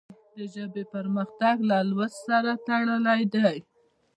د ژبې پرمختګ له لوست سره تړلی دی.